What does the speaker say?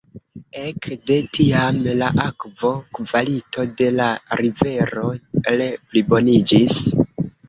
Ek de tiam la akvo-kvalito de la rivero re-pliboniĝis.